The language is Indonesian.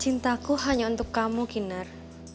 cintaku hanya untuk kamu kinar